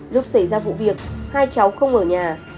lúc xảy ra vụ việc hai cháu không ở nhà